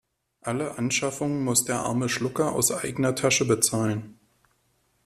Alle Anschaffungen muss der arme Schlucker aus eigener Tasche bezahlen.